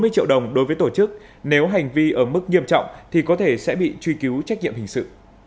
bốn mươi triệu đồng đối với tổ chức nếu hành vi ở mức nghiêm trọng thì có thể sẽ bị truy cứu trách nhiệm hình sự